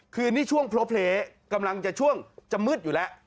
คือนี่ช่วงโพลเพลกำลังจะช่วงจะมืดอยู่แล้ว